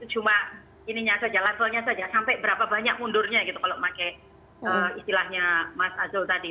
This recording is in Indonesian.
cuma ininya saja levelnya saja sampai berapa banyak mundurnya gitu kalau pakai istilahnya mas azul tadi